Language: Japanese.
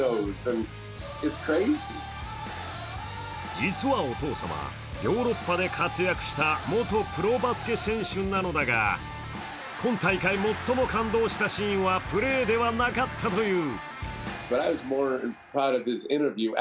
実はお父様、ヨーロッパで活躍した元プロバスケ選手なのだが、今大会、最も感動したシーンはプレーではなかったという。